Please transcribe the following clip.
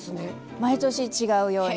毎年違うように。